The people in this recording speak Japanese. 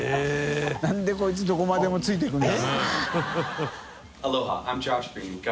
覆鵑こいつどこまでもついて行くんだ？